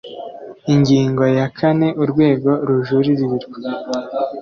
ingingo ya kane urwego rujuririrwa